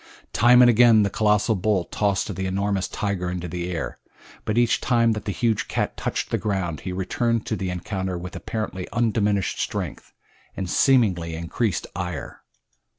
Time and again the colossal bull tossed the enormous tiger high into the air, but each time that the huge cat touched the ground he returned to the encounter with apparently undiminished strength, and seemingly increased ire.